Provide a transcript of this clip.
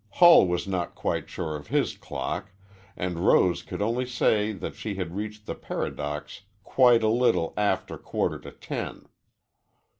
Hull was not quite sure of his clock, and Rose could only say that she had reached the Paradox "quite a little after a quarter to ten."